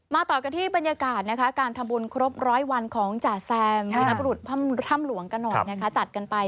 มาต่อกันที่บรรยากาศการทำบุญครบร้อยวันของจ่าแซมวีรับบุรุษถ้ำหลวงกะหนดจัดกันไป